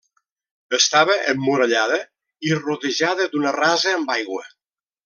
Estava emmurallada i rodejada d'una rasa amb aigua.